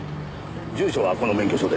住所はこの免許証で。